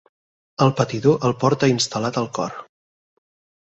El patidor el porta instal·lat al cor.